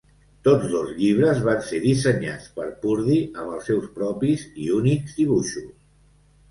Tots dos llibres van ser dissenyats per Purdy amb els seus propis i únics dibuixos.